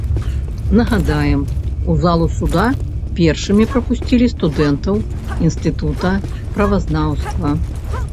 Нагадаем, у залу суда першымі прапусцілі студэнтаў інстытута правазнаўства.